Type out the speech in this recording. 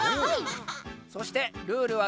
そしてルールはですね